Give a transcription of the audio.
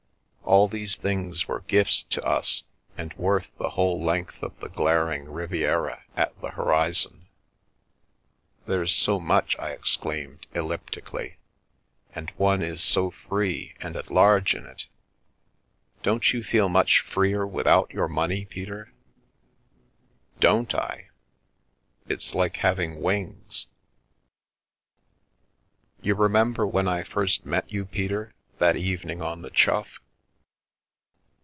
All these things were gifts to us, and worth the whole length of the glaring Riviera at the horizon. " There's so much !" I exclaimed, elliptically, " and one is so free and at large in it. Don't you feel much freer without your money, Peter ?"" Don't I ? It's like having wings." " You remember when I first met you, Peter, that evening on the Chough?"